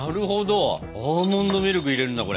アーモンドミルク入れるんだこれ。